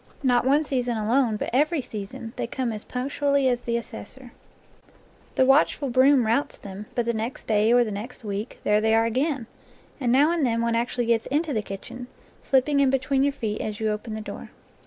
Not one season alone, but every season, they come as punctually as the assessor. 11 NATURE LORE The watchful broom routs them; but the next day or the next week there they are again, and now and then one actually gets into the kitchen, slipping in between your feet as you open the door.